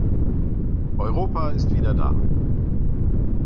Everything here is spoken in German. Europa ist wieder da.